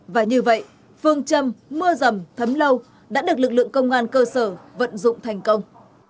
và như vậy phương châm mưa rầm thấm lâu đã được lực lượng công an cơ sở vận dụng thành công